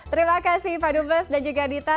terima kasih pak dubes dan juga dita